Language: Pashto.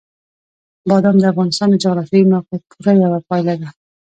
بادام د افغانستان د جغرافیایي موقیعت پوره یوه پایله ده.